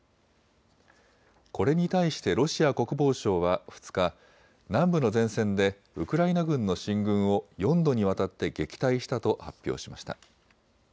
これに対してロシア国防省は２日、南部の前線でウクライナ軍の進軍を４度にわたって撃退したと発表しました。